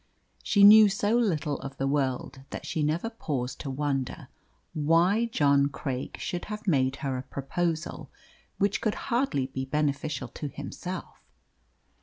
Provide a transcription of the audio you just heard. She knew so little of the world that she never paused to wonder why John Craik should have made her a proposal which could hardly be beneficial to himself.